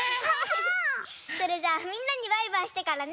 それじゃあみんなにバイバイしてからね。